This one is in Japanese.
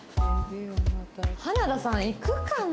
花田さんいくかな？